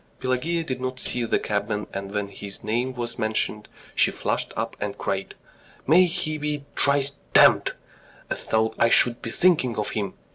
... Pelageya did not see the cabman, and when his name was mentioned she flushed up and cried: "May he be thrice damned! As though I should be thinking of him!